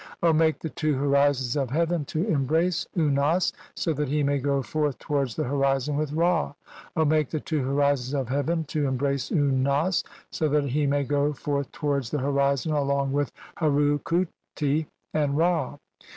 make the two horizons of heaven to em "brace Unas so that he may go forth towards the hori "zon with Ra. O make the two horizons of heaven to "embrace Unas so that he may go forth towards the "horizon along with Heru khuti and Ra.